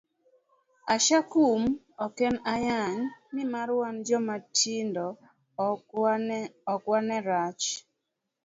Ashakum ok en ayany, nimar wan joma tindo ok wane rach.